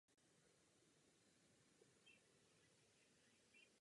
Největší podíl na přepravě osob mají osobní automobily.